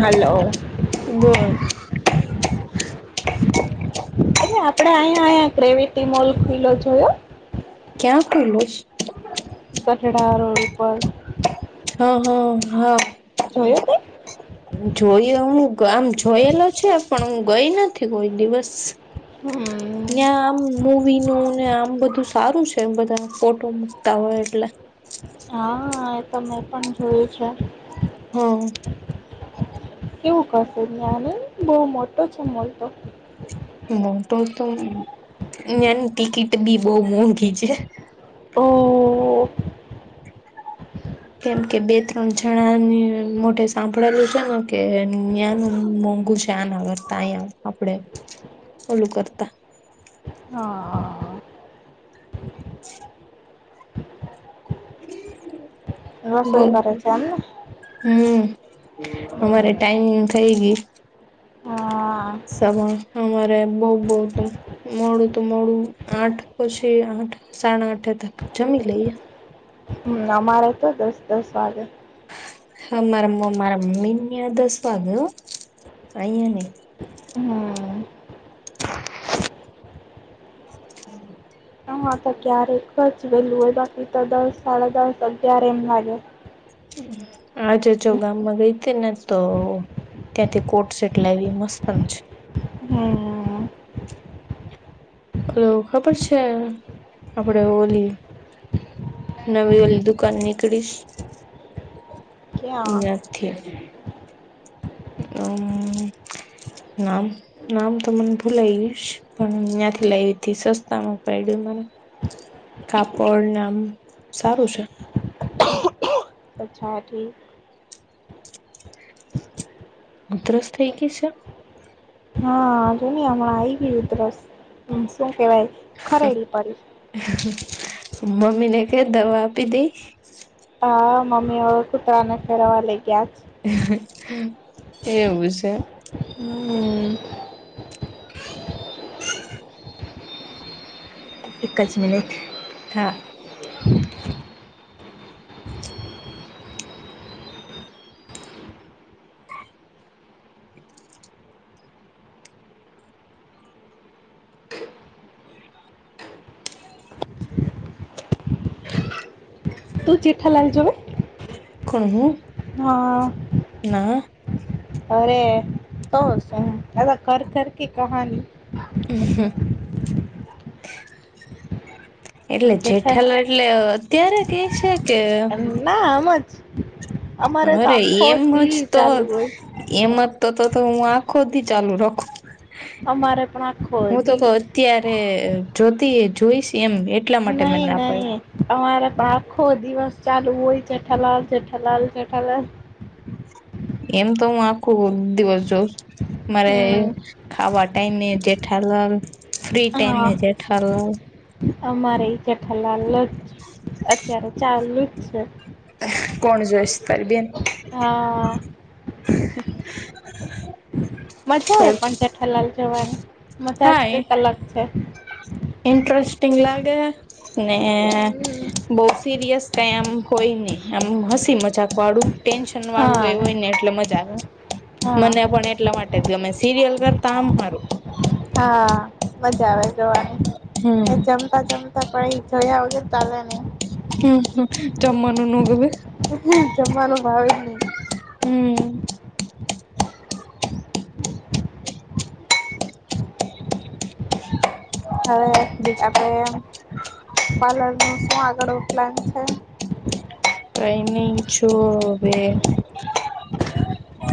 હાલો. બોલ એ આપડે અહીયા અયા ગ્રેવિટી મોલ ખુલ્લો જોયો. ક્યાં કર. કઠડા રોડ ઉપર. છે હા હા હા. જોયો તે જોઈ હું આમ જોયેલો છે પણ હું ગઈ નથી કોઈ દિવસ. હમ. ્યા આમ મુૂવી નું ને આમ બધું સારું છે એ બધા ફોટો મુકતા હોય એટલે. હા એ તો મેં પણ જોયું છે. હમ. કેવું કશે જ્ઞને બહ મોટો છે મોલ તો. મોટો તો ની ટિકિટ બી બહ મોંઘી છે. ઓ. કેમ કે બે ત્રણ જણાની મો સાંભળેલું છે ને કે જ્ઞાન મોંઘુ છે. જાન આવરતા અયા આપડે ઓલું કરતા. હા. [inaudible] બો રસોઈ કરે છે એમને હમ. અમારે હમ ટાાઈમિંગ થઈ ગ. હા સમ અમારે બહુ બહ ત. મોડું તો મોડું આઠ પછી આઠ સાડા આઠ તક જમી લઈએ. હમ અમારે તો દસ્ દસવાગે. હા મારા મારા મમ્મી ને દસ વાગયો અહીયા નહી. હમ હમ. હા તો ક્યારેક જ વેલું હોય બાકી તો દસ સાડા દસ અગિયાર એમ લાગે આજે જો ગામમાં ગઈ હતી ને તો ત્યાંથી કોટ સેટ લાવી મસ્ત છે હમ હલો ખબર છે આપડે ઓલી નવીલ દુકાન નીકળ ક્યાં નથીથી હમ નામ નામ તો મને ભૂલાઈઈશ પણ તહીંથી લાવધી સસ્તામાં પડ્યું મને કાપડ નામ સારું છે પછાથી ઉધરસ થઈ ગઈ છે હા જોુન હમણાં આવી ગ ઉધરસ શું કેવાય ખરેડી પડી મમ્મી ને ક દવા આપી દઈ હા મમીળ કુ તરા ના ફવા લઈ ગયા છે એવું છે હમ એક જ મિનેટ હા [inaudible] તુ જેઠાલાલ જોને કોણ હું હા અં અં હા ના અરે તો શુ હાલો ઘર ઘર કી કહાની ઉહુ એટલે જેઠા જેઠાલાલ લે અત્યારે કે છે કે ના આમ જ અમારે તો અરે આખો દિ ચાલુ હોય એમ જ તો તો તો હું આખો દિ ચાલુ રાખું અમારે પણ આખો દિ ત્યારે જોતી એ જોઈશ એમ એટલા માટે મે નહી ના પાડી નહી અમારે પણ આખો દિવસ ચાલુ હોય જેઠાલાલ જેઠાલાલ જેઠાલાલ એમ તો હું આખો દિવસ જોઉ મારે હમ ખાવા ટાઈમે જેઠાલાલ ફ્રી ટાઈમે હા જેઠાલાલ અમારે ય જેઠા લાલ જ અત્યારે ચાલુ જ છે કોણ જાયસ તારી બેન હા આ અ [inaudible] મજા આવે થોડ પણ જેઠાલાલ જોવાની મજા હા એ જ કાંઈક અલગ છે ઇન્ટરેસ્ટિંગ લાગે ને બોવ સિરિયસ કાંઈ આમ કોઈ નય આમ હસી મજાક વાડું ટેન્શન વાળું કાય હા હોય નય એટલે મજા આવે હા મને પણ એટલા માટે જ ગમે સિરિયલ કરતા આમ સારૂ હા મજા આવે જોવાની હે હમ જમી તા ચમતા પાળી ચળયા વગર ચાાલે નહી હુ હુ જમવાનું ન ગમે હા હુ જમવાનું ભાવે જ નહી હુ અ હવે આપડે પાલર નું શું આગળ ઓફ પલાન છે ટાઈમિંન છો વે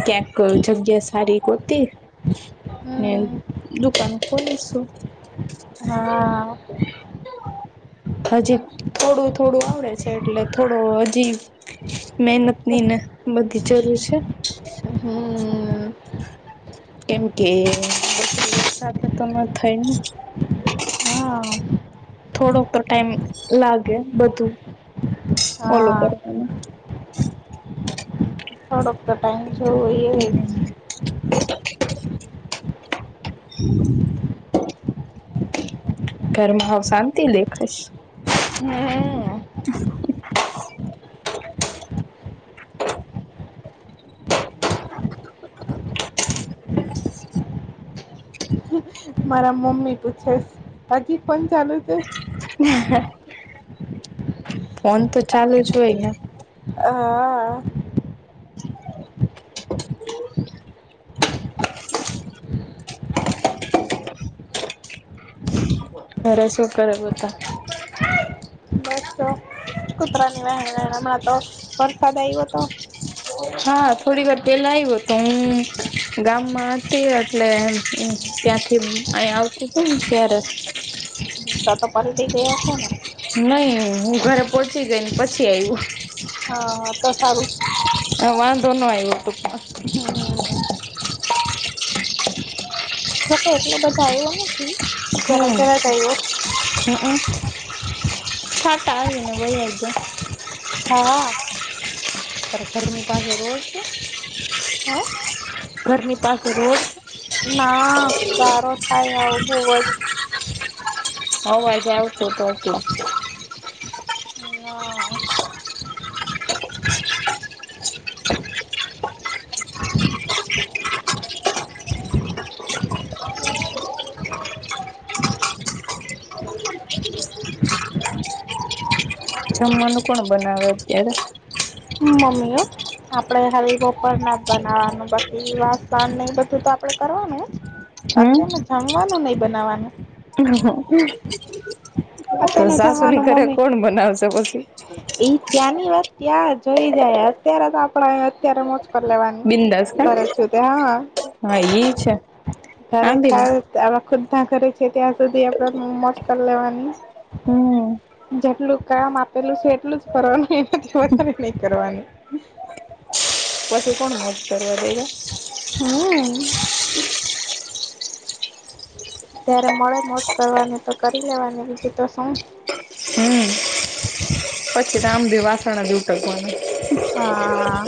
ક્યાંક જગ્યા સારી ગોતી ને હમ દુકાન ખોલીશુ હા આ અ આ હજી થોડું થોડું આવડે છે એટલે થોડું હજી મહેનતની ને બધી જરૂર છે. હમ એમ કે વાત્સલ્ય સાથે તો ન જ થાય ને હા થોડોક તો ટાઈમ લાગે બધું. ઓલુ હા કરવા નુ થોડોક તો ટાઈમ જોવો હા હુ હુ [inaudible] ઘરમાં સાવ શાંતિ દેખાય હમ [inaudible] મારા મમ્મી પૂછે છે હજી પણ ચાલુ છે. ઓ હો ફોન તો ચાલુ જ હોય ને અ આ આ ઘરે શું કરે ને સુતાં બસ જો કૂતરા ની વહેણ વહેણ હમણાં તો વરસાદ આવ્યો તો હા થોડી વાર પેલા આવ્યો તો હું ગામમાં હતી એટલે ત્યાંથી અ આવતું હતું ને ત્યારે તો તો પરથી ગયા હતો ને નઈ હું ઘરે પોહોચી ગઈ ને પછી આવ્યું. હા હા તો સારું હ વાંધો ન વા આવીવ ત પણ હમ જોકે એટલું બધું આવ્યો ને ફી જરા જરા જ આવ્યો હમમ છાતાા એ ભાઈજ હા ગરમી પાસેે રોજ કે હે ગરમી પાસેે રોદ ના ગારો થાય આવ બહવ જ અવાજે આવતોું તો ના જમવાનું કો બનાવે અત્યારે હ મ્મી આપડણે હવે બપર ના જ બનાવાનું બાકી વાસણ ને એ બધું તો આપડે કરવાનું જ હમ આતેમાં જમવાનું નહિ બનાવવાનું તો અત્યારનું સાસુ ની જમવાનું કરે મમ્મી કોણ બનાવશે પછી ઈ ત્યાંની વાત ત્યાં જોઈ જાય અત્યારે તો આપણા અત્યારે લેવાની બિંદાસ કા કરે છું તે હા હા એ છે. ઘરે આમ છ બી આપ ખુદના ઘરે છે ત્યાં સુધી આપણે મોશક લેવાની હમ જેટલું કામ આપેલું છે એટલું જ કરવાનું એનાથી વધારે નહી કરવાનું. પછી કોણ મોજ કરવા દઈ છે. હા ત્યારે મળે મોજ કરવાને તો કરી લેવાની બીજું તો શું? હમ પછી રા આમ ભી વાસણા દૂટકવાનું હા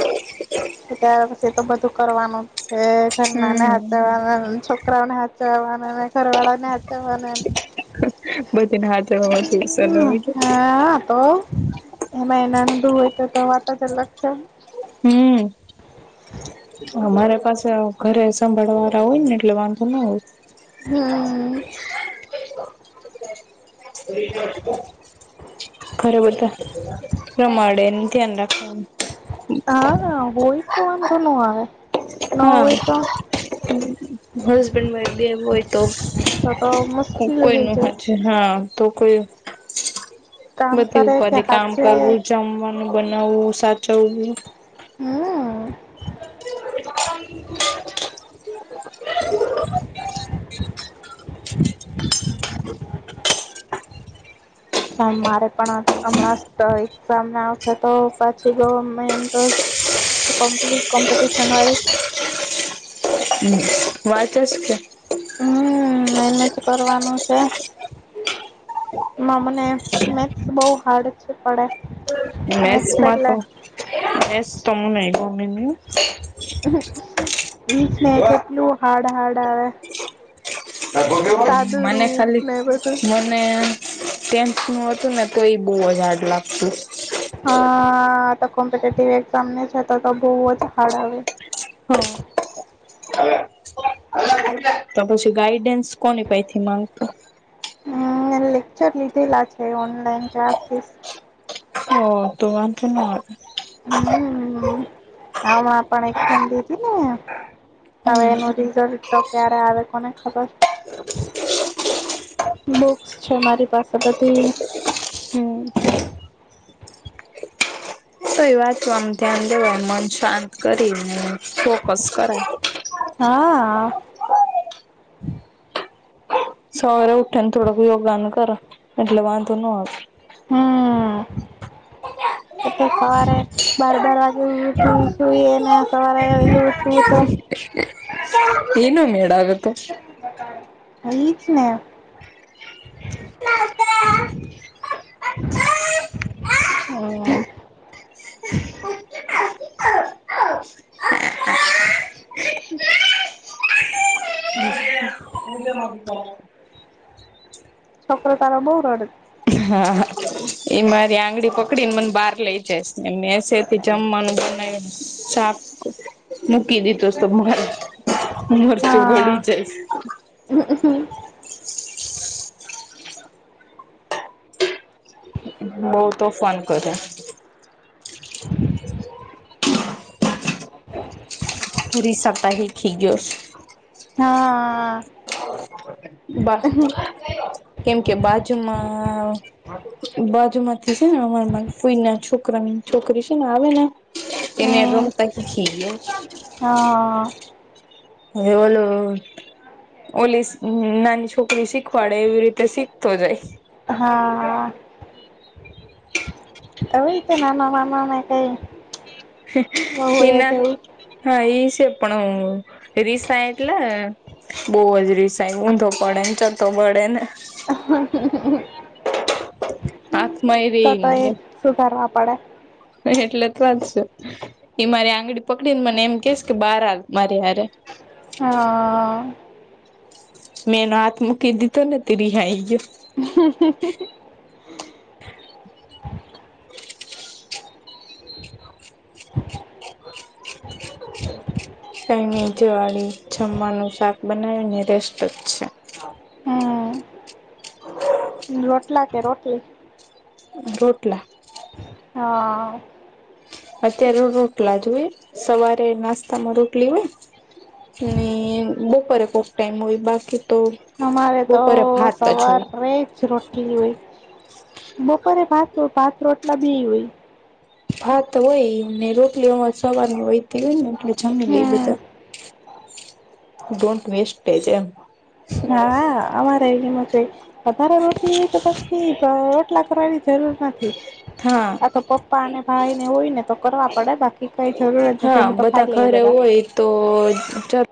ત્યારે પછી તો બધું કરવાનું છે ખર નાને હમ હચવાના છોકરા ને હચવાના ઘરવાળા ને હચાવવાના ને બધી ને હાથરમાંસવી હા તો એમાં એના નધું હોય તો તો વાત જ અલગ છે. હમ મારે પાસે ઘરે સંભાળવાળ હોય ને એટલે વાંધો ના હોય હમ ઓ ખરે બધા પ્રમાણે ધ્યાન રાખવાનું હા હોય તો આમંધ ન આવે હા હોય તો હસબેન્ડમાં બે હોય તો તત તો મશ્કલી હોય કોઈનું છે હજ હા તો કોઈ કામ બધી કરે કે ઉપાધ કામ હાચે કરવું જમવા બનાવવું સાચવું હા [unintelligible] મારે પણ હમણાં આવશે તો પછી કોમ્પિટિશન વાય હમ વાતસ કે હમ એમજ કરવાનું છે એમાં મને મેથસ બહ હાર્ડ છે પડે મેથ્સ એસમાં એટલે તો સ તોમને ગ મની ઈ ને કેટલું હાર્ડ હાર્ડ આવે મ ખલી મ સાદું અને રૂપ ને બધું ટેન્ નું હતું ને તો એ બહુ જ હાડ લાગતું હા તો કોમ્પિટેટિવ એઝામ ને છે તો તો બહુ જ હાર્ડ આવે હ તો પછી ગાઈડન્સ કોની પૈ થી માંગતો હ મે લેક્ચર લીધેલા છે ઓનલાઈન ક્લાસીસ હ દકાન તો નય હમ હણા પણ એક સંંદિ ને હવે આવે એનું રિઝલ્ટ તો ક્યારે આવે કોને ખબર બુક્સ છે મારી પાસે બધી હમ હમ તો એ વાંચવામ ધ્યાન દેવા મન શાંત કરી ફોકસ કરાય હા સવારે ઉઠી ને થોડક યોગાન કરો એટલે વાંધો ન આવે હમ એ તો સાર બાર બાર વાગે સુઈ ને સવારે ઉઠવું તો એનો મેડ આાગત એ જ ને હ છોકર તારમ ઉરાડ હા હા એ મારી આંગળી પકડી ને મને બહાર લઇ જસ એમનેસે એજમ મન સાાફ મૂકી દીધોરે મરચું વળી જાય હ હ બહ તો ફોન કરે [unintelligible] પૂરી સપતાહી ખીજસ હા બા કેમ કે બાજુમાં બાજુ માંથી છે ને અમાર કોઈ ના છોકરાની છોકરી છે ને આવે ને એને હમ રમ તોકી હા એવલોું. ઓલી નાની છોકરી શીખવાડે એવી રીતે શીખતો જાય. હા. [inaudible] હીતે નાના વાના ને કઈ. બહુ એ એના. જેવું હા એઈ છે પણણ રીસા આઈટલા. બહ જ રિસાઈ ઊંધો પડે ને ચતો પડે ને. હ. [inaudible] આત્મા. તો તો એ શું કરવા પડે. એટલે તો વા જ છે. એ મારી આંગળી પકડી ને મને એમ કેસ કે બહાર હ મારે રે. હા અ અ અ. મેં નો હાથ મૂકી દીધો ને તે રી હાઈ. હા હ. [inaudible] કઈ ની જેવાળી જમવાનું શાક બનાવેને રેસ્ટ જ છે. હમ [inaudible] રોટલા કે રોટલી. રોટલા. હા. અત્યારે રોટલા જોઈ સવારે નાસ્તામાં રોટલી હોય. ને બપોરે કોક ટાઈમ હોય બાકી. તો અમારે તો બપોરે ભાત જ સવાર હોય હોઈ. રોટલી હોય બપોરે ભાત ભાત રોટલા બી. ભાત હોયને રોટલીમાં સવાર હોયતી હોય ને એટલે જમી લીધું હમ તુ ડોન્ટ વેસ્ટ જ એમ. હા અમારે એમ જોય વધારે રોટલી હોય તો પછી રોટલા કરવાની. જરૂર નથી. હા આ તો પપ્પા અને ભાઈ ને હોય ને તો કરવા પડે બાકી કઈ જરૂરત હા નથી હું તો બધા ખાઈ લઈ ઘરે બધા. હોય તો.